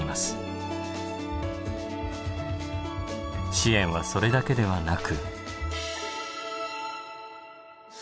支援はそれだけではなく。